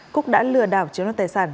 cúc đã lừa đảo chiếu năng tài sản